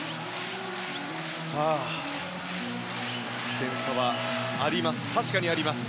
点差は確かにあります。